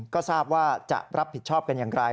ก็ทราบว่าจะรับผิดชอบกันอย่างไร